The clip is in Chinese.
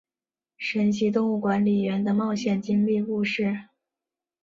神奇动物管理员的冒险经历故事。